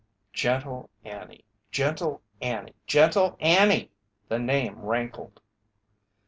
"Gentle Annie! Gentle Annie! Gentle Annie!" The name rankled.